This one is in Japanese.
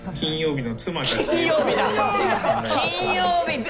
金曜日だ。